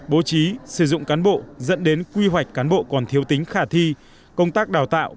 bố trí sử dụng cán bộ dẫn đến quy hoạch cán bộ còn thiếu tính khả thi công tác đào tạo